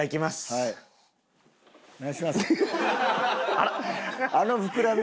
あら！